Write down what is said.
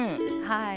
はい。